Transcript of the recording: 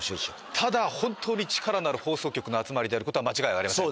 ただ本当に力のある放送局の集まりであることは間違いありません